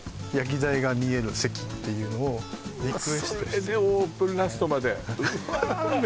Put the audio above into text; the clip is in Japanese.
それでオープンラストまでうわ